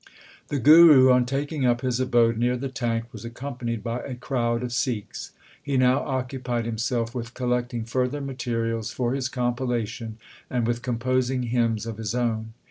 2 The Guru, on taking up his abode near the tank, was accompanied by a crowd of Sikhs. He now occupied himself with collecting further materials for his compilation, and with composing hymns of his own.